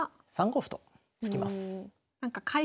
３五歩と突きます。